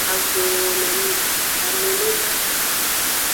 Agooo no mi; ame ne va.